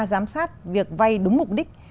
giám sát việc vay đúng mục đích